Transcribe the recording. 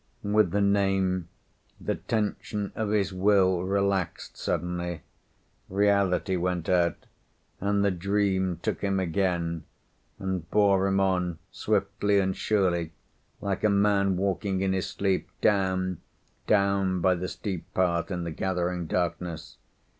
With the name, the tension of his will relaxed suddenly, reality went out and the dream took him again, and bore him on swiftly and surely like a man walking in his sleep, down, down, by the steep path in the gathering darkness.